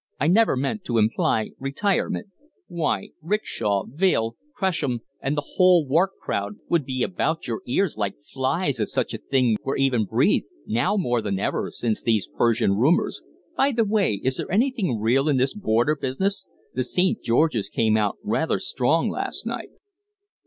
I never meant to imply retirement. Why, Rickshaw, Vale, Cressham, and the whole Wark crowd would be about your ears like flies if such a thing were even breathed now more than ever, since these Persian rumors. By the way, is there anything real in this border business? The 'St. George's' came out rather strong last night."